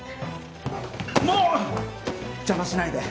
もう邪魔しないで。